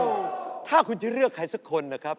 เพราะว่ารายการหาคู่ของเราเป็นรายการแรกนะครับ